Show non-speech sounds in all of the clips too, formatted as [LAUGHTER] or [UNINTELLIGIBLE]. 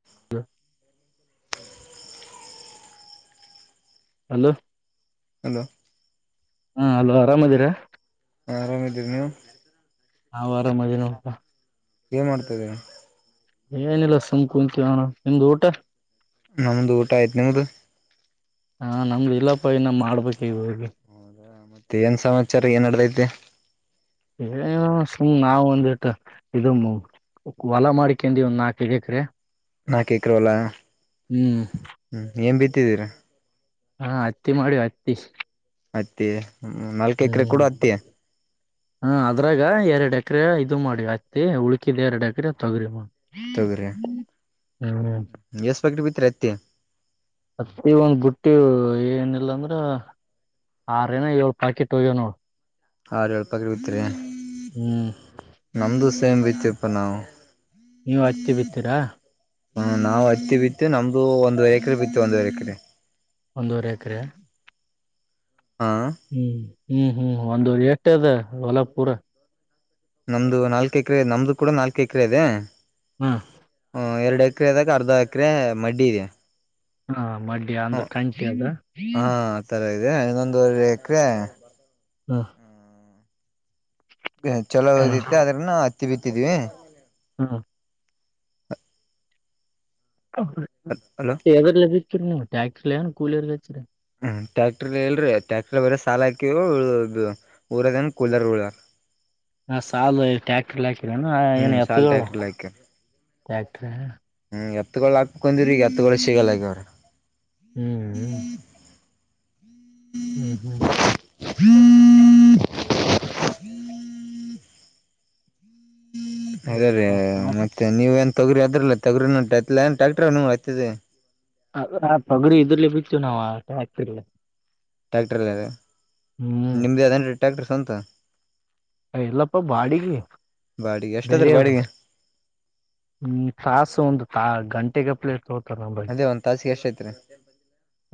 [UNINTELLIGIBLE] ಅಲೂ. ಹಲ ಹಾ ಅಲೋ ಆರಾಮದಿರಾ. ಹಾ ಆರಾಮಿದ್ದೀರಿ ನೀವು. ನಾವು ಅರಮದವಿ ನೂಡಪ. ಏನ್ ಮಾಡ್ತಾದ್ಯ. ಏನಿಲ್ಲ ಸುಮ ಕುಂತ ಅಣ ನಿಮ್ದ ಊಟ. ನಮ್ಮಂದ್ ಊಟ ಆಯ್ತ್ ನಿಮ್ದ್. ಹಾ ನಮ್ದ ಇಲ್ಲಪ್ಪ ಇನ್ನ ಮಾಡ್ಬೇಕ ಇವ ಹೋಗಿ. ಹೌದಾ ಮತ್ತೆ ಏನ್ ಸಮಾಚಾರ ಏನ್ಡಲೈತೆ. ಏನು ಸುಮ್ ನಾವ್ ಒಂದಿಟ್ಟ ಇದು ಹೊಲ ಮಾಡಿಕೊಂಡಿ ಒಂದ್ ನಾಕೈದೆ [INAUDIBLE] ನಾಕೆಕ್ರೆ ವಲ. ಹ್ಮ ತಿದ್ದೀರ. ಹಾ ಹತ್ತಿ ಮಾಡಿ ಹತ್ತಿ. ಅತ್ತಿ ನಾಲ್ಕ ಎಕರೆ ಹ್ಮ್ ಕೂಡ ಅತ್ತಿ. ಹಾ ಅದ್ರಾಗ ಎರಡ್ ಎಕರೆ ಇದು ಮಾಡಿತ್ತತಿ ಉಳಕಿದ್ ಎರಡ್ ಎಕರೆ ತೊಗರಿ. ತುಗ್ರಿ ಹ್ಮ್ ಎಸ್ ಬಕ್ ಬಿತ್ ರೀ ಅತ್ತಿ. ಅತ್ತಿ ಒಂದ್ ಬುಟ್ಟಿ ಏನಿಲ್ಲ ಅಂದ್ರ ಆರ ಏನ ಏಳ್ ಪಾಕೆಟ್ ಹೋಗ್ಯವ ನೋಡು. ಹಾ ಎಲ್ಪಕ್ಕೆಗತ್ರಿ. ಹ್ಮ್ ತಮ ಬಿತುಪ ನಾವು. ನೀವ್ ಹತ್ತಿ ಬಿತ್ತೀರಾ ಹ್ಮ ನಾವ್ ಹತ್ತಿ ಬಿತ್ತು ನಮ್ದು ಒಂದುವರೆ ಎಕರೆ ಬಿತ್ತು ಒಂದೂವರೆ ಎಕರೆ. ಒಂದುವರೆ ಎಕರೆ. ಹಾ ಹ್ಮ್ ಹ್ಮ್ ಹ್ಮ್ ಒಂದೂ ಎಷ್ಟ ಅದ ಹೊಲ ಪೂರ. ನಮ್ದು ನಾಲ್ಕ ಎಕರೆ ನಮ್ದು ಕೂಡ ನಾಲ್ಕು ಎಕರೆ ಇದೆ ಹಾ ಹೂ ಎರಡು ಎಕರೆದಾಗ ಅರ್ಧ ಎಕರೆ ಮಡ್ಡಿ ಇದೆ. ಹಾ ಮಡ್ಡಿ ಹ ಅಂದ್ರೆ ಕಂಚಿ ಅದ. ಹಾ ಆತರ ಇನ್ನೊಂದುವರೆ ಎಕ್ರೆ ಹಾ ಚಲೋ ಹಾ ಓದಿತ್ತ ಅದ್ರ ನ ಹತ್ತಿ ಬಿತ್ತಿದೀವಿ ಹಾ ಹಲೋ ಎದರ್ ಲೆ ಬಿತ್ತಿರಿ ನೀವು ಟ್ಯಾಕ್ಟರ ಲ ಕೂಲಿಯರ್ ಹಚ್ಚರಿ? ಟ್ಯಾಕ್ಟರ್ ಎಲ್ರಿ ಟ್ಯಾಕ್ಟರ್ ಬರ ಸಾಲ ಹಾಕಿ ಊರದ ಕೂಲ್ರ್ರ್ ಹಾ ಸಾಲ ಟ್ಯಾಕ್ಟರ್ ಹಾಕರ ಏನು ಹ್ಮ್ ಎತ್ತು ಸಾಲ್ ಟ್ಯಾಕ್ಟರ್ಲ್ ಹಾಕ ಹ್ಮ್ ಎತ್ಗಳು ಹಾಕಕೊಂಡವ್ರ ಈಗ ಎತ್ಗಳು ಸಿಗಲ್ಲಗ ಅವರಿ ಹ್ಮ್ ಹ್ಮ್ ಹ್ಮ್ [UNINTELLIGIBLE] ಅದ ರೀ ಸರಿಪಾ ಮತ್ ಮತ್ತೆ ನೀವ ಏನ ತೊಗರಿ ಅದ್ರಲ್ಲ ತೊಗರಿಂಟ ಟ್ಯಾಕ್ಟ್ರ ಆ್ತದೆ ತೋಗರಿ ಇದ್ರಲೆ ಬಿತ್ತುು ನಾವ್ ಆಟ ಹಾಕ್ತಿರ್ಲ ಟ್ಯಾಕ್ಟರ್ಲ್ಲ ಹ್ಮ್ ನಿಮ್ದು ಅದಂ ಟ್ಯಾಕ್ಟರ್ ಸ್ವಂತ? ಎಲ್ಲಪ್ಪ ಬಾಡಿಗೆ ಬಾಡಿಗೆ ಎಷ್ಟಾದ್ರ ಬೇರೆಯವರು ಬಾಡಿಗೆ? ಹ್ಮ್ ಕಾಸು ಒಂದು ತ ಗಂಟೆಗೆ ಪ್ಲೇಟ್ ಅದೇ ಒಂದ್ ತಾಸಿಗೆ ಎಷ್ಟ ಐತ್ರಿ?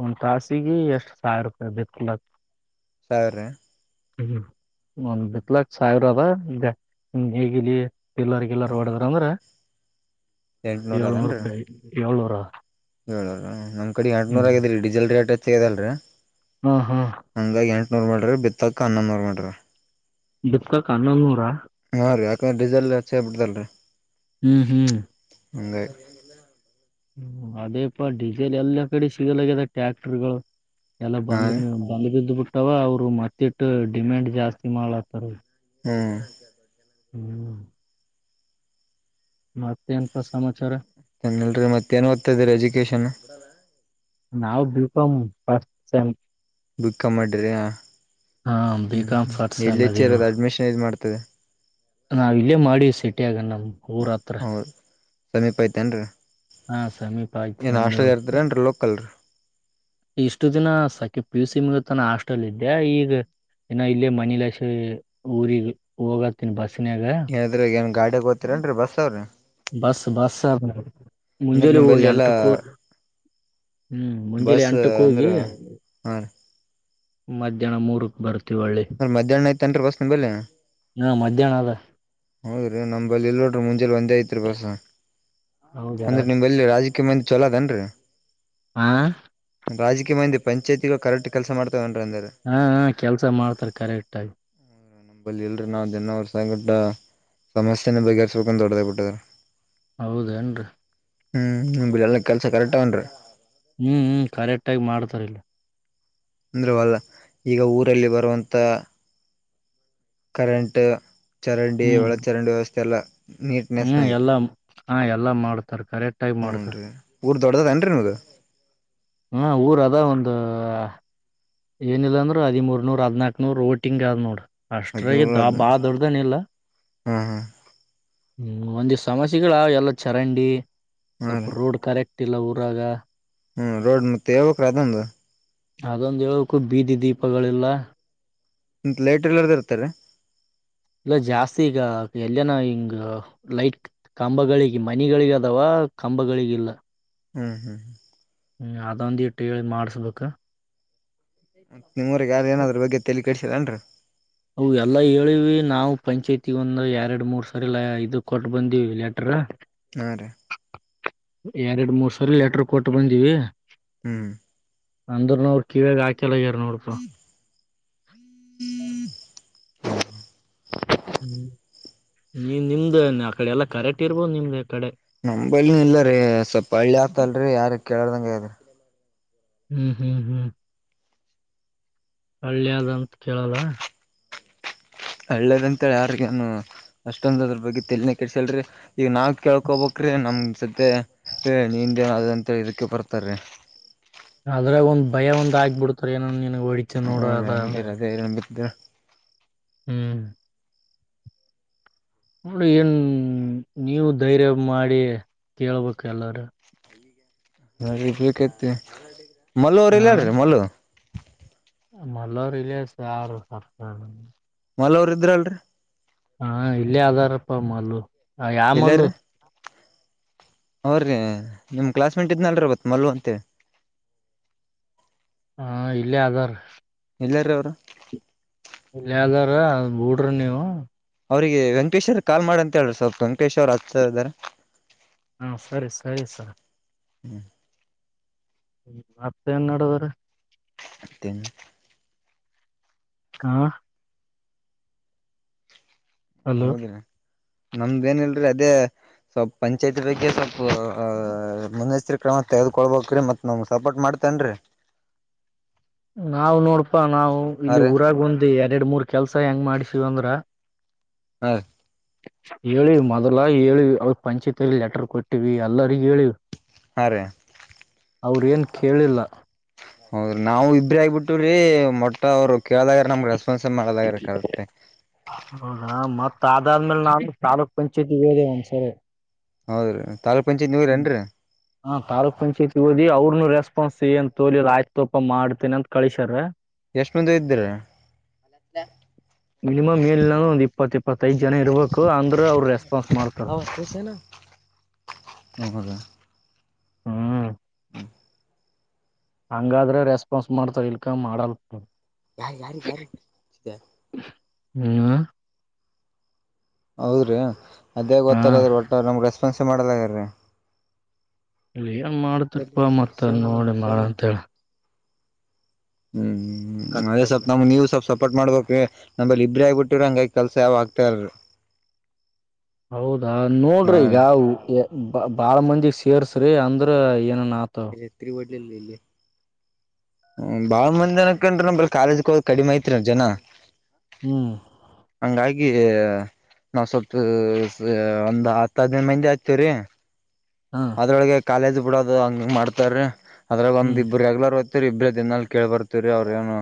ಒಂದು ತಾಸಿಗೆ ಎಷ್ಟ್ ಸಾವಿರ ರೂಪಾಯಿ ಬಿತ್ತಲಕ್. ಸಾವರೆ? ಹ್ಮ ಬಲ ಸಾಹರಬ ಹ ಗ ಎಲ್ಲರಿಗ ಎಲ್ಲಾರು ಒಡದ್ ಅಂದ್ರೆ ಏೂರು ರೂಪಾಯಿ ಏಳೂರಾ ಏ ನಮ್ ಕಡೆ ಎಂಟನೂರ ಆಗಿದೀ ಡೀಸೆಲ್ ರೇಟ್ ಹೆಚ್ಚದಲ್ರರಿ ಹ್ಮ ಹ್ಮ್ ನೋರ್ ಮಾಡ್ರಿ ಬಿತ್ತಕ್ ಅನ್ನ ನೋರ್ ಮಾಡಟ್ರಿ ಬಿಕಾಂ ಹನ್ನೊಂದು ನೂರಾ? ಹಾ ರೀ ಯಾಕಂದ್ರ ರಿಸೆಲ್ಚ್ಬ ಬಿಡ್ತಲ್ರರಿ ಹ್ಮ್ ಮುಂದೆ ಹ್ಮ ಅದೇಪಾ ಡೀಸೆಲ್ ಎಲ್ಲ ಕಡೆ ಸಿಗಲಾಗಿದೆ ಟ್ಯಾಕ್ಟರ್ಗಳು ಎಲ್ಲ ಹಾ ಬಂದ್ ರೀ ನೀವು ಬಂದ್ ಬಿದ್ದ್ ಬಿಟ್ಟವ ಅವ್ರು ಮತ್ತಿಟ್ಟು ಡಿಮ್ಯಾಂಡ್ ಜಾಸ್ತಿ ಮಾಡ್ಲಾತ್ತಾರ ಹ್ಮ್ ಹ್ಮ್ ಮತ್ತೆ ಎಂತ ಸಮಾಚಾರ? ಏನ್ನಲ್ರಿ ಮತ್ತ ಏನ್ ಓ್ರ್ದ್ತ ಇದರಿ ಎಜುಕೇಶನ್. ನಾವು ಬಿ ಕಮ್ ಫಸ್ಟ್ ಸೈಮ್. ಬುಕ್ಕ ಮಾಡಿರಿ ಹ ಹಾ ಹ್ಞೂ ಬಿಕಾಂ ಹ್ಞೂ ಫಸ್ಟ್ ಸೆಮ್ ಎಲ್ಲಿ ಹೆಚ್ಚೆ ಇರೋದು ಅಡ್ಮಿಷನ್ ಇದು ಮಾಡ್ತದೆ? ನಾವ ಇಲ್ಲೇ ಮಾಡಿ ಸೆಟಿಯಗ ನಮ್ಮ್ ಊರ ಹತ್ರ. ಹೌದು ಸಮೀಪ ಐತೆೇನ್ರಿ ಹಾ ಸಮೀಪ ಆಯ್ತು ಏನ್ ಒಂದು ಹಾಸ್ಟಲ್ ಇರ್ತ್ರ ಏನ್ರೀ ಲೋಕಲ್ ರೀ ಇಷ್ಟು ದಿನ ಸಕೆ ಪಿ ಯು ಸಿ ಮುಗತಾನ ಹಾಸ್ಟೆಲ್ ಇದ್ದೆ ಈಗ ಏನೋ ಇಲ್ಲೇ ಮನಲಸ ಊರಿಗೆ ಹೋಗತ್ತನ್ ಬಸ್, ಏನದ್ರ ಏನ್ ಗಾಡಿ ಬತೀರೇನ್ರರಿ ಬಸ್ ಅವಾವ್ರಿ ಬಸ್ ಬಸ್ ಅಂದ್ರೆ ಮುಂಜಲು ನಿಂಬಲ್ಲಿ ಎಲ್ಲಾ ಎಂಟುಕೂ ಹ್ಮ್ ಮುಂಜಳೆ ಬಸ್ ಅಂಟು ಕ ಅಂದ್ರ ಹೋಗಿ ಹಾ ರೀ ಮಧ್ಯಾಹ್ನ ಮೂರಕ್ ಬರುತ್ತ ಅ ಮಧ್ಯಾಹ್ನ ಐತನ್ ಬಸ್ ನಿ ಬಲೆ? ಹಾ ಮಧ್ಯಾಹ್ನ ಅದ ಹೌದೀ ನಮಲ್ಲಿ ಇಲ್ಡ್ರ ಮುಂಜೆಲ್ ಒಂದೇ ಐತ್ರಿೀ ಬಸ ಹೌದಾ ಅಂದ್ರೆ ನಿಮಲ್ಲಿ ರಾಜ ಕೀಯ ಮಂದ ಚಲೋದೇನ್ರರಿ? ಆ ರಾಜಕೀಯ ಮಂದಿ ಪಂಚಾಯಿತಿ ಕರೆಕ್ಟ್ ಕೆಲಸ ಮಾಡ್ ಹಾ ಕೆಲ್ಸ ಮಾಡ್ತಾರ ಕರೆಕ್ಟ್ಗಗಿ ನಂಬಲ್ಲಿ ಎಲ್ರೀ ನಾವು ದನ [UNINTELLIGIBLE] ಸಮಸ್ಯೆನ ಬಗೆಹರ್ಸ್ಬೇಕಂತ ಹೋಡದೋಗ್ಬಿಟ್ಟವರ ಬಿಟ್ಟದಾರ ಹೌದೇನ್ರಿ ಹ್ಮ್ ನಿಮ ಬಿಡ [UNINTELLIGIBLE] ಕೆಲ್ಸ ಕರೆಕ್ಟ್ [UNINTELLIGIBLE] ಹ್ಮ್ ಹ್ಮ್ ಕರೆಕ್ಟ್ ಆಗಿ ಮಾಡ್ತಾರಿಲ್ಲ ಅಂದ್ರೆವಲ್ಲ ಈಗ ಊರಲ್ಲಿ ಬರುವಂತ ಕರೆಂಟ್ ಚರಂಡಿ ಹ್ಮ್ ಒಳ ಚರಂಡಿ ವ್ಯವಸ್ಥೆ ಎಲ್ಲ ಹ್ಮ್ ನೀಟ್ನೆಸ್ನಾಗಿ ಎಲ್ಲಾ ನು ಎಲ್ಲಾ ಮಾಡ್ತಾರ ಕರೆಕ್ಟ್ ಆಗಿ ಮಾಡ್ತಾರೆ ಊರು ದೊಡ್ಡದೇನ್ ರಿ ನಿಮ್ಮದು ಹ್ಮ ಊರ ಅದ ಒಂದು ಏನಿಲ್ಲಾಂದ್ರರು ಹದಿಮೂರ್ ನೂರ್ ಹದ್ನಾಕ್ ನೂರು ವೋಟಿಂಗ್ ಆದ್ ನೋಡು ಅಷ್ಟ್ರಾ [UNINTELLIGIBLE] ಬಾಳ ದೊಡ್ಡದೆನಿಲ್ಲ ಹ್ಮ್ ಹ್ಮ ಹ್ಮ್ ಒಂದಿಷ್ಟು ಸಮಸ್ಯೆಗಳ ಎಲ್ಲ ಚರಂಡಿ ಹಾ ರೀ ಸ್ವಲ್ಪ ರೋಡ್ ಕರೆಕ್ಟ್ ಇಲ್ಲ ಊರಾಗ ಹ್ಮ್ ರೋಡ್ ಮತ್ತೆ ಹೇಳಬೇಕ್ರ ಅದೊಂದು ಅದೊಂದ ಹೇಳಬೇಕು ಬೀದಿ ದೀಪಗಳಿಲ್ಲ ಇಗ ಲೈಟ್ಗಳು [UNINTELLIGIBLE] ಇಲ್ಲ ಜಾಸ್ತಿ ಈಗ ಎಲ್ಲನ ಹಿಂಗ ಲೈಟ್ ಕಂಬಗಳಿಗೆ ಮನಿಗಳಿಗೆ ಅದಾವ ಕಂಬಗಳಿಗಿಲ್ಲ ಹ್ಮ್ ಹ್ಮ್ ಹ್ಮ್ ಅದೊಂದ್ ಇಟ್ಟಿ ಹೇಳಿ ಮಾಡಸ್ಬೇಕ ನಿಮ್ಮೂರಗೆ ಯಾರು ಏನಾದದ್ರ ಬಗ್ಗೆ ತೆಲಿ ಕಳಿಸಿಲ್ಲೇನ್ರ ಅ ಎಲ್ಲಾ ಹೇಳಿವಿ ನಾವು ಪಂಚಾಯ್ತಿ ಒಂದು ಎರಡು ಮೂರ್ ಸರಿ ಇದು ಕೊಟ್ಟ ಬಂದಿವಿ ಲೆಟ್ರ ಹಾ ರೀ ಎರಡ್ ಮೂರ್ ಸರಿ ಲೆಟರ್ ಕೊಟ್ಟು ಬಂದಿವಿ ಹ್ಮ್ ಅಂದ್ರ ನೋಡು ಕಿವ್ಯಾಗ ಹಾಕಲ್ಲ ಯಾರ ನೋಡ್ಪ ಹ್ಮ್ ನೀ ನಿಮ್ದ ಆ ಕಡೆ ಎಲ್ಲಾ ಕರೆಕ್ಟ್ ಇರ್ಬೋದು ನಿಮ್ದ ಆ ಕಡೆ ನಂಬಳ್ಳಿ ಇಲ್ಲರಿ ಸ್ವಲ್ಪ ಹಳ್ಳಿ ಆಗ್ತಲ್ರಿ ಯಾರ ಕೇಳದಂಗೆ ಅದ್ರಿ ಹ್ಮ್ ಹ್ಮ್ ಹ್ಮ್ ಹಳ್ಳಿ ಯಾದಂತ ಕೇಳಲ್ಲ ಹಳ್ಳಿಅದೆಂತೆ ಯಾರಿಗೇನು ಅಷ್ಟೊಂದ ಅದ್ರ ಬಗ್ಗೆ ತಲಿನೆ ಕೆಟ್ಸಲ್ರರಿ ಈಗ ನಾವ್ ಕೇಳ್ಕೊಬೇಕ್ ರಿ ನಮ್ ಸದ್ದೇ ಏ ನೀನ್ [UNINTELLIGIBLE] ಅಂತ ಇದಕ್ಕೆ ಬರ್ತಾರೆ ಅದ್ರಾಗ ಒಂದ್ ಭಯ ಒಂದ್ ಆಗ್ಬಿಡ್ತಾರ ಏನೊ ನಿನ್ಗ್ ಹೊಡಿತ ಹ ನೋಡು ಅದ ಹಂಗೇರ ಅದೇ ಬಿದ್ದ ಹ್ಮ್ ನೋಡಿ ಏನ್ ನೀವು ಧೈರ್ಯ ಮಾಡಿ ಕೇಳ್ಬೇಕು ಎಲ್ಲಾರ ಯಾರಿ ಬೇಕಿತ್ ಮಲು ಅವರು ಇಲ್ಲರೀ ಮಲು ಮಲ್ಲ ಅವರು [UNINTELLIGIBLE] ಯಾರ ಸರ್ಕಾರ ಮಲು ಅವರ್ ಇದ್ರಲ್ರಿ ಹಾ ಇಲ್ಲೇ ಆದದಾರಪ್ಪ ಮಲು ಯಾವ ಮಲು ಎಲ್ಲಾರೀ ಅವ್ರೀ ನಿಮ್ಮ ಕ್ಲಾಸ್ ಮೇಟ್ ಇದ್ನಲ್ರೀ ಮತ್ ಮಲು ಅಂತೆ ಹಾ ಇಲ್ಲೇ ಅದಾರೆ ಇದರ್ರಿ ಅವರು ಇಲ್ಲೆ ಅದಾರ ಬೂಡ್ರಿ ನೀವು ಅವ್ರರಿಗೆ ವೆಂಕಟೇಶ್ ಅವ್ರ ಕಾಲ್ ಮಾಡ ಅಂತ ಹೇಳ್ರಿ ಸ್ವಲ್ಪ ವೆಂಕೇಶ್ರು ಹಚ್ಚ ಇದಾರೆ ಹಾ ಸರಿ ಸರಿ ಸರ್ ಹ್ಮ್ ಹತ್ತ [UNINTELLIGIBLE] ಅವರ [UNINTELLIGIBLE] ಹಾ ಹಲೋ ಹೌದ್ರಿ ನಮ್ದ ಏನಲ್ರಿ ಅದೇ ಸಪ್ ಪಂಚಾಯ್ತಿ ಬಗ್ಗೆ ಸಪ್ ಅ ಮುನ್ನೆಚ್ಚರಿಕ ಕ್ರಮ ತೆಗೆದುಕೊಳ್ಬೇಕ್ರೀ ಮತ್ ನಮಗ್ ಸಪೋರ್ಟ್ ಮಾಡ್. ತನ್ರಿ. [INAUDIBLE] ನಾವ್ ನೋಡಪಾ ನಾವು ಹಾ ಇಲ್ಲಿ ರೀ ಊರಾಗ್ ಒಂದ್ ಎರಡ್ ಮೂರ್ ಕೆಲ್ಸಾ ಹೆಂಗ್ ಮಾಡ್ಸೀವ್ ಅಂದ್ರ. ಹ ರಿ. ಏಳಿವ್ ಮದಲ ಏಳಿವ ಅವ ಪಂಚಾಯ್ತಿಲಿ ಲೆಟರ್ ಕೊಟ್ಟಿವ ಎಲ್ಲರಿಗ ಹೇಳಿವ್. ಹಾ ರಿ. ಅವ್ರೇನ್ ಕೇಳಿಲ್ಲಾ. ಹೌದ್ರಿ ನಾವು ಇಬ್ಬ್ರೆ ಆಗ್ಬಿಟ್ಟುರಿ ಮತ್ತ್ ಅವ್ರ. ಕೇಳದಾಗ್ರ ನಮ್ಗ್ ರೆಸ್ಪಾನ್ಸೆ ಮಾಡಲಾಗ ರಿ ಕರೆಕ್ಟಾಗ್. ತಾದ್ ಆದಾದ್ಮೇಲೆ ನಾನು ತಾಲೂಕ್ ಪಂಚಾಯ್ತಿಗೊದೆ ಒಂದ್ಸರಿ. ಹೌದ್ರೀ ತಾಲೂಕ್ ಪಂಚಾಯತ್ ನೀವಿರನ್ರಿ. ಹೊದಿ ಅವ್ರನು ರೆಸ್ಪಾನ್ಸ್ ಏನ್ ತೋಲೀಲ್ ಆಯ್ತ ತೋಪ ಮಾಡ್ತೇನ ಅಂತ ಕಳಸ್ಯಾರ. ಎಷ್ಟ್ ಮಂದಿ ಇದ್ದಿರ್. ಮಿನಿಮಮ್ ಇಲ್ ಅಂದ್ರು ಒಂದ್ ಇಪ್ಪತ್ ಇಪ್ಪತ್ತೈದ್ ಜನಾ ಇರ್ಬಕ ಅಂದ್ರ ಅವ್ರು ರೆಸ್ಪಾನ್ಸ್ ಮಾಡ್ತಾರ. ಹೌದಾ. ಹ್ಮ್. ಹಂಗಾದ್ರ ರೆಸ್ಪಾನ್ಸ್ ಮಾಡ್ತಾರ್ ಇಲ್ಕ ಮಾಡಲ್. ಯಾರ್ ಯಾರಿಗ್ ಯಾರಿಗ್. ಹ್ಮ್ನೀವು. ಹೌದ ರೀ ಅದೇ ಹಾ ಗೊತ್ತಲಾದರಿ ಒಟ್ಟ ನಮ್ಗ ರೆಸ್ಪಾನ್ಸೆ ಮಾಡಲಾಗರ ರೀ. ಇಲ್ಲಿ ಏನ್ ಮಾಡ್ತೀರ್ಪಾ ಮತ್ತ ನೋಡಿ ಮಾಡ ಅಂತೇಳ. [INAUDIBLE] ಹ್ಮ್ ಅದೇ ಸಪ್ ನಮ್ ನೀವು ಸಪ್ ಸಪ್ಪೋರ್ಟ್ ಮಾಡ್ಬೇಕ್ರಿ ನಂಬಲ್ಲಿ ಇಬ್ರೆ ಆಗಿಬಿಟ್ಟಿವ್ರಿ ಹಂಗಾಗಿ ಕೆಲ್ಸಾ ಯಾವ ಆಗ. ತಯಾರಿಲ್ರೀ. [INAUDIBLE] ಹೌದಾ ಹಾ ನೋಡ್ರಿ ರೀ ಈಗಾ ಬ ಬಾಳ್ ಮಂದಿಗ್ ಸೇರ್ಸ್ರಿ ಅಂದ್ರ ಏನನ್. ಆತವ ತ್ರಿ ವಡಲಲ್ಲಲ್ಲಿ. ಹ್ಮ ಬಾಳ ಮಂದಿ ಅನಕ್ಕನ್ರೇನ್ ಕಾಲೇಜ್ ಕ ಹೋಗೋದ ಕಡಿಮ ಐತ್ರಿ ಜನಾ. ಹ್ಮ್. ಹಂಗಾಗಿ. ನಾವ್ ಸ್ವಲ್ಪ ಸ ಒಂದ್ ಹತ್ ಹದನೈದ್ ಮಂದಿ ಆತೇವ್ರೀ. ಹಾ ಅದ್ರೊಳಗೆ ಕಾಲೇಜ್ ಬಿಡದು ಹಂಗ ಮಾಡ್ತಾರೀ ಅದ್ರಾಗ್ ಒಂದ್ ಹ್ಮ್ ಇಬ್ರು ರೆಗ್ಯುಲರ್. ಇಬ್ರ ದ್ ನಲ್ ಕೇಳಳ್ ಬರ್ತವರಿ ಅವ್ರ ಏನು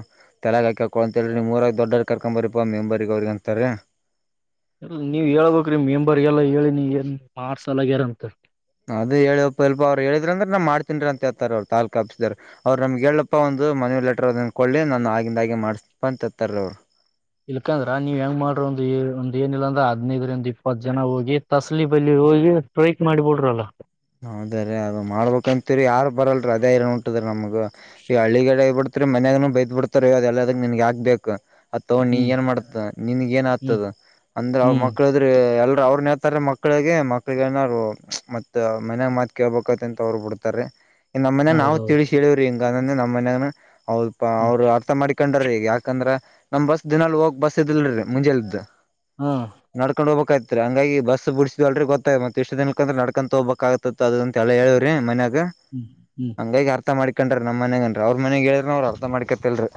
ತಲಗ್ಾಕೊ ಅಂತ ಹೇಳರಿ ನೀೂರ ದೊಡ್ಡರ್ ಕರ್ಕೊಂಬರೀಪ ಮೆಂಬರ್ಗ ಅವ್ರಿಗ ಅಂತಾರಿ. ಇದು ನೀವ್ ಹೇಳ್ಬಕ್ರೀ ಮೆಂಬರಿಗೆಲ್ಲಾ ಹೇಳಿ ನೀಏನ್ ಮಾರ್ಸ್ ಲ್ಲಾಗ್ಯಾರ ಅಂತ. ಅದ ಹೇಳವಪ್ಪ ಇಲ್ಪಾ ಅವರು ಹೇಳಿದ್ರ ಅಂದ್ರ ನಾ ಮಾಡ್ತನ್ರಿ ಅಂತ ಹೇಳ್ತಾರಿ ಅವ್ರ ತಾಲ್ಕಾ ಆಪ್ಸಿದರ ಅವರು ನಮ್ಗ ಹೇಳಪ್ಪಾ ಒಂದ. ಮನಿವ್ ಲೆಟರ್ ಒಂದ್ ಒಂದ್ ಕೊಡ್ಲಿ ನಾನ ಆಗಿಂದಾಗೆ ಮಾಡಸ್ತಿನಪಾ ಅಂತ ತತ್ತಾರಿ ಅವ್ರ. ಇಲ್ಕಂದ್ರ ನೀವ್ ಹೆಂಗ ಮಾಡ್ರ ಒಂದು ಒಂದ್ ಏನಿಲ್ಲ ಅಂದ್ರ ಹದ್ನೈದರಿಂದ ಇಪ್ಪತ್ತ ಜನಾ ಹೋಗಿ ತಸಲಿ ಬಲಿ. ಹೋಗಿ ಸ್ಟ್ರೈಕ್ ಮಾಡಿಬಿಡ್ರಲ್ಲ. ಹೌದ ರೀ ಅದ ಮಾಡ್ಬೇಕಂತೀರಿ ಯಾರ ಬರಲ್ರರಿ ಅದೇ ಏ ಉಂಟದ್ರ ನಮಗ ಈ ಹಳ್ಳಿಗಡೆ ಬಿಡ್. ತ್ರಿ ಮನ್ಯಾಗ್ ನು ಬೈದ್ ಬಿಡ್ತಾರ್ರೀ ಅದೆಲ್ಲದ ನಿನಗ್ಯಾಕ್ ಬೇಕ್. ಅದ ತೊಂಡ ನೀ ಹ್ಮ್ ಏನ್ ಮಾಡ್ತ ನಿನ್ಗ ಏನ್ ಹ್ಮ್ ಆತದ ಅಂದ್ರ ಅವ್ರ ಹ್ಮ್ ಮಕ್ಕಳದ್ರ ಎ. ಅವ್ರುನ ಹೇಳ್ತಾರೆ ಮಕ್ಕಳಿಗೆ ಮಕ್ಳಿಗೆ ಏನಾರು ಮ. ಮತ್ ಮನ್ಯಾಗ್ ಮಾತ್ ಕೇಳ್ಬೇಕಾತಿ ಅಂತ ಅವ್ರು ಬಿಡ್ತಾರ್ರೀ ನಮ್ಮ ಮನ್ಯಾಗ ನಾವು ಹೌದೌದು ತಿಳಿಶ್ ಹೇಳಿವ್ರಿ ಹಿಂಗ ಅಂದಿದ ನ. ಮನ್ಯಾಗನ ಅವಪ ಹ್ಮ್ ಅವ್ರ ಅರ್ಥಾ ಮಾಡಿಕೊಂಡಾರೀ. ಯಾಕಂದ್ರ ನಮ್ ಬಸ್ ದಿನಾಲು ಹೋಗಕ್ ಬಸ್ ಇದದಿಲ್ರಿ ಮುಂಜಲೇದ ಹಾ ನಡ್ಕೊಂಡ್ ಹೋಗ್ಬಕಾಗಿತ್. ತ್ರಿ ಹಂಗಾಗಿ ಬಸ್ ಬಿಡ್ಸಿದುಲ್ರಿ ಗೊತ್ತಾಗಿ ಮತ್ತ್ ಇಷ್ಟ ದಿನಕ್ಕಂತ ನಡ್ಕಂತ ಹೋಗ್ಬೇಕಾಗತಿತ್ ಅದ ಅಂತ ಎಲ್ಲಾ ಹೇಳೆವ್ರಿ ಮನ್. ಗ ಹ್ಮ್ ಹ್ಮ್ ಹಂಗಾಗಿ ಅರ್ಥಾ ಮಾಡಿ. ಕಂಡ್ರಿ ನಮ್ಮ ಮನ್ಯಾಗನ್ರಿ ಅವ್ರ ಮನ್ಯಾಗ್ ಹೇಳ್ರು ಅವ್ರು ಅರ್ಥಾ ಮಾಡಕತ್ತಲ್ರ್ರೀ.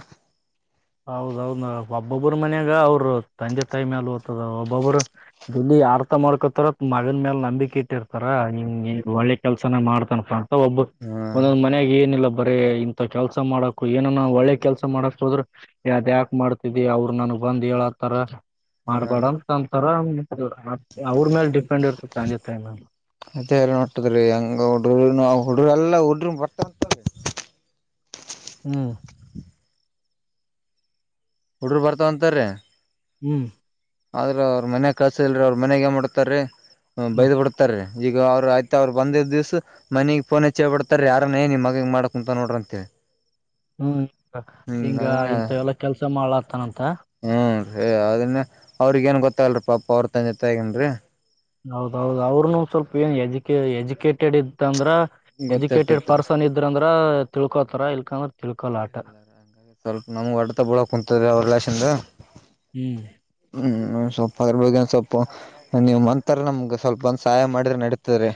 ಹೌದೌದ ಒಬ್ಬೊಬ್ಬ್ರ ಮನ್ಯಾಗ ಅವ್ರರು ತಂದೆ ತಾಯಿ ಮೇಲೆ ಓದ್ತದ ಒಬ್ಬೊಬ್ಬರು [UNINTELLIGIBLE] ಯರ್ಥ ಮಾಡ್ಕೊತಾರ ಮಗನ್ ಮೇಲೆ ನಂಬಿಕೆ ಇಟ್ಟಿರ್ತಾರ ಹಂಗ ಒಳ್ಳೆ ಕೆಲ್ಸನ ಮಾಡ್ತನಪ್ಪ ಒಬ್ ಹ್ಮ್ ಒಂದೊಂದ್ ಮನಯಾಗ ಏನಿಲ್ಲ ಬರೇ ಇಂಥ ಕೆಲ್ಸ ಮಾಡಕ್ ಏನನ ಒಳ್ಳೆ ಕೆಲ್ಸ ಮಾಡಕ್ ಹೋದ್ರೆ ಯದ ಯಾಕ ಮಾಡ್ತಿದಿ ಅವರು ನನ್ಗ್ ಬಂದ್ ಹೇಳತರ ಹ್ಮ್ ಮಾಡ್ಬೇಡ ಅಂತಂತ ಹ ಅವ್ರ ಮೇಲೆ [INAUDIBLE] ಅದ ಎಲ್ಲ ನೋಟ್ಟದ್ರಿ ಹಂಗಡ್ರ ಹುಡ್ರ ಎಲ್ಲ ಹುಡ್ರ ಬರ್ತಂತ ಹ್ಮ್ ಹುಡರು ಬರ್ತಾವಂತಾರ್ರೀ ಹ್ಮ್ ಆದ್ರ ಅವ್ರ ಮನ್ ಕಳ್ಸಲ್ ಅವ್ರ ಮನೆಯಾಗ ಏನ್ ಮಾಡತಾರ ಬೈದು ಬಿಡತಾರೀ ಈಗ ಅವ್ರು ಆಯ್ತ ಅವ್ರು ಬಂದಿದ್ದ ದಿವಸ ಮನಗೆ ಫೋನ ಹೆಚ್ಚೆ ಬಿಡ್ತಾರೆ ಯಾರ ಏ ನಿಮ್ಮ ಮಗಗೆ ಮಾಡ ಕುೂಂತ ನೋಡ್ರ ಅಂತೇಳಿ ಹ್ಮ್ ಹಿಂಗ ಇಂತ ಎಲ್ಲ ಕೆಲ್ಸ ಮಾಡ್ಲಾತಾನಂತ ಹ್ಮಞರೀ ಅದನ್ನ ಅವ್ರಿಗ ಏನ್ ಗೊತ್ತಲ್ರರಿ ಪಾಪ ಅವ್ರ ತನ್ ಜೊತೆ ಆಗೇನ್ರರಿ ಹೌದೌದು ಅವ್ರನು ಸ್ವಲ್ಪ ಏನ್ ಎಜುಕೆ ಎಜುಕೇಟೆಡ್ ಇತ್ ಅಂದ್ರ ಎಜುಕೇಟೆಡ್ ಗೊತ್ತಿರ್ತತ್ರಿ ಪರ್ಸನ್ ಇದ್ರ ಅಂದ್ರ ತಿಳ್ಕೋತಾರ ಇಲ್ಕಂದ್ರ ತಿಳ್ಕೊಲ್ಲ ಆಟ ಹಾಗೆ ಸ್ವಲ್ಪ ನಮ್ಗ್ ಹೊಡ್ತ ಬಿಳಕ್ ಕುಂತದ್ರ ಅವ್ರ ಲಷಿಂದ ಹ್ಮ್ ಹ್ಮ್ ಸ್ವಲ್ಪರಬ ಸ್ವಲ್ಪ ನೀವು ಮಂಂತರ ನಮ್ಗ ಸ್ವಲ್ಪ ಒಂದ ಸಹಾಯ ಮಾಡಿದ್ರೆ ನಡೀತರಿ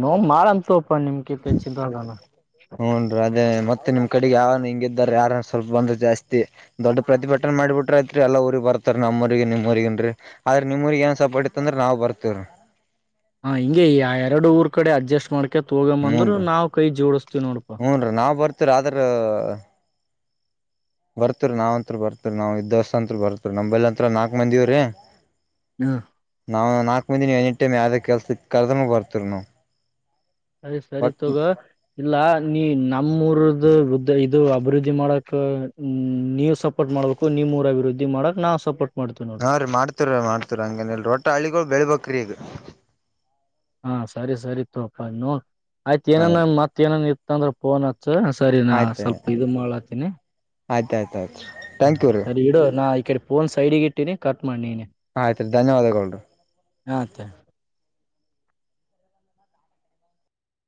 ನೋ ಮಂತವಪ್ಪ ನಿಮ ಕಿತ್ತ ಚಿಂತವಾಗಲ್ಲ ಹ್ನ್ ರ ಮತ್ತೆ ನಿಮ್ ಕಡೆಗೆ ಯಾರ ಹಿಂಗ ಇದಾರೆ ಯಾರ ಸ್ವಲ್ಪ ಬಂದು ಜಾಸ್ತಿ ದೊಡ್ಡ ಪ್ರತಿಭಟನೆ ಮಾಡಿಬಿಟ್ರಐತ್ರಿ ಎ ಎಲ್ಲ ಊಗ್ ಬರ್ತಾರ ನಮ್ಮ್ಊರಿಗೆ ನಿಮ್ವರಿಗನ್ ಆದ್ರೆ ನಿ ಊರಿಗೆ ಏನ್ ಸಪಾಟ್ಟತ್ತ ಅಂದ್ರ ನಾವು ಬರ್ತೇವ ಹಾ ಹಿಂಗೆ ಆ ಎರಡು ಊರ್ ಕಡೆ ಅಡ್ಜಸ್ಟ್ ಮಾಡ್ಕ ಅಕತ್ ತೋಗಂದ್ರು ಹೂನ್ರಿ ನಾವ್ ಕೈ ಜೋಡಸ್ತೀವಿ ನೋಡಪಾ [INAUDIBLE] ಹೂನ್ರಿ ನಾವ್ ಬರ್ತಿವ್ರಿ ಬರ್ತರಿ ನಾವ್ಂತ್ರ ಬರ್ತರಿ ನಾವ್ ಇದ್ ದವಸ್ಸಂತ್ ಬರ್ತ್ರಿ ನಮಲ್ಂತ್ರ ನಾಲ್ಕ್ ಮಂದಿವ್ರೀ ಹಾ ನಾವು ನಾಲ್ಕ ಮಂದಿನವು ಎಟ ಟೈಮ್ ಯಾವ್ದ ಕೆಲಸಕ್ಕೆ ಕಲ್ದಮ್ ಬರ್ತೀ ನಾವು ಅರಿ ಸರಿ ತಗೋ ಇಲ್ಲ ನೀ ನಮ್ಮೂರದದು ಬುದ್ಧ ಇದು ಅಭಿವೃದ್ಧಿ ಮಾಡಕ್ ನೀವು ಸಪೋರ್ಟ್ ಮಾಡಬೇಕು ನೀಊರ ಅಭಿವೃದ್ಧಿ ಮಾಡಕ್ ನಾವು ಸಪೋರ್ಟ್ ಮಾಡ್ತೀವಿ ನೋಡು ಹಾ ರೀ ಮಾಡ್ತೀರೀ ಮಾಡ್ತವರ ಹಂಗೇನಲ್ ರೊಟ ಹಳ್ಳಿಗಳು ಬೆಳ್ಬಕ್ ಈಗ ಹಾ ಸರಿ ಸರಿ ತೋಪ ನೋ ಆಯ್ತು ಏನನ್ ಮತ್ತತ್ ಏನನ್ ಇತ್ತ ಅಂದ್ರೆಫೋನ್ನ್ ಸರಿ ನಾ ಆಯ್ತು ಸ್ವಲ್ಪ ಇದು ಮಾಡಾತೀನಿ ಆಯ್ತು ಆಯ್ತು ಆಯ್ತು ಥ್ಯಾಂಕ್ ಹ್ಮ ಯು ರೀ ಸರಿ ಇಡು ನಾ ಈ ಕಡೆ ಪೋನ್ ಸೈಡಿಗೆ ಇಟ್ಟಿನಿ ಕಟ್ ಮಾಡ್ನ ನೀನೆ ಆಯ್ತ್ ರಿ ಧನ್ಯವಾದಗಳು ಹಾತ